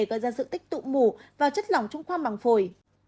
gây ra sự tích tụ mù và chất lỏng trong khoang măng phổi